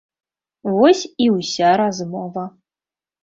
Вось і ўся размова.